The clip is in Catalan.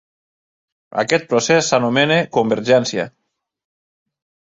Aquest procés s'anomena "convergència".